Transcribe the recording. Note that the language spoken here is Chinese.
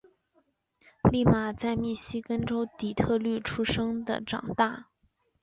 俪玛在密西根州底特律出生和长大。